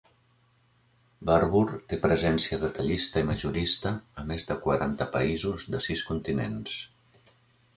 Barbour té presència detallista i majorista a més de quaranta països de sis continents.